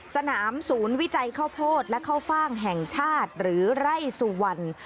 สนามศูนย์วิจัยข้าวโพดและข้าวฟ่างแห่งชาติหรือไร่สุวรรณ